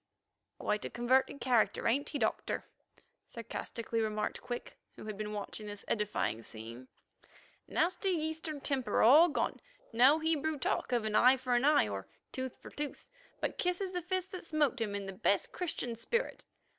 "Quite a converted character, ain't he, Doctor?" sarcastically remarked Quick, who had been watching this edifying scene. "Nasty Eastern temper all gone; no Hebrew talk of eye for eye or tooth for tooth, but kisses the fist that smote him in the best Christian spirit.